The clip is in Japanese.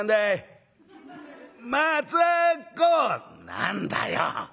「何だよ？」。